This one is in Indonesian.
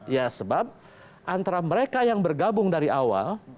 ya sebab antara mereka yang bergabung dari awal